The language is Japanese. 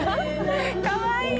かわいい。